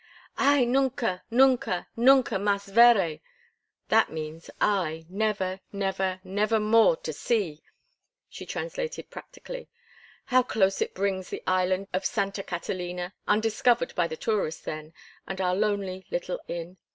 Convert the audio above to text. "'Ay, nunca, nunca, nunca mas veré!' That means, 'Aye, never, never, never more to see,'" she translated, practically. "How close it brings the island of Santa Catalina, undiscovered by the tourist then, and our lonely little inn!